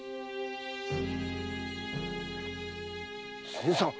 新さん！